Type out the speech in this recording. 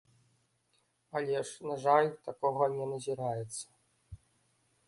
Але ж, на жаль, такога не назіраецца.